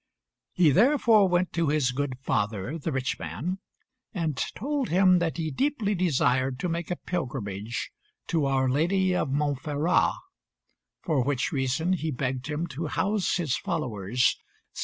He therefore went to his good father, the rich man, and told him that he deeply desired to make a pilgrimage to our Lady of Montferrat, (4) for which reason he begged him to house his followers, seeing that he wished to go alone.